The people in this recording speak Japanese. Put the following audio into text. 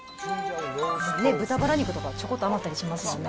豚バラ肉とか、ちょこっと余ったりしますもんね。